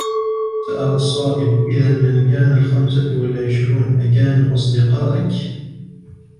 سأل الصائب: " إذن من كان الخمسة والعشرون ؟ أكانوا أصدقاءك ؟"